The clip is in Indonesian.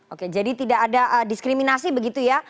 oke jadi tidak ada diskriminasi begitu ya